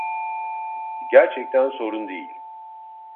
Gerçekten sorun değil.